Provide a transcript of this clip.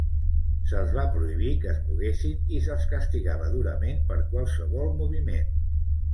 Se'ls va prohibir que es moguessin i se'ls castigava durament per qualsevol moviment.